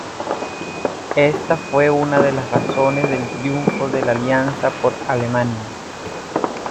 Esta fue una de las razones del triunfo de la Alianza por Alemania.